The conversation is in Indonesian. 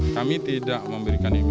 kami tidak memberikan ini